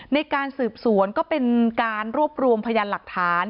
ในการสืบสวนก็เป็นการรวบรวมพยานหลักฐาน